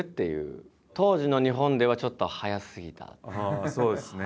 ああそうですね。